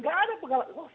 gak ada pengalaman